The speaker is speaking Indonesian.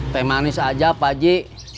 teh manis aja pak ji